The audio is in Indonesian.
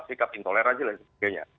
sikap intoleransi dan sebagainya